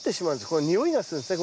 これにおいがするんですね